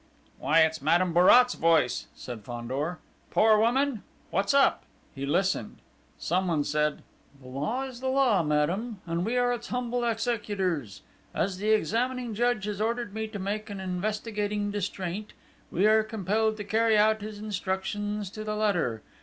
"Why, it's Madame Bourrat's voice!" said Fandor. "Poor woman! What's up?" He listened. Someone said: "The law is the law, madame, and we are it's humble executors. As the examining judge has ordered me to make an investigating distraint, we are compelled to carry out his instructions to the letter.